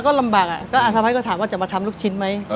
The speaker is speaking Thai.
ก็ลำบากก็สะพ้ายก็ถามว่าจะมาทำลูกชิ้นไหม